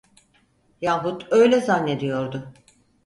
Yahut öyle zannediyordu.